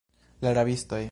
La rabistoj.